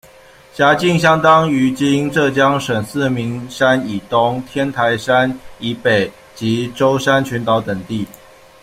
辖境相当今浙江省四明山以东、天台山以北及舟山群岛等地。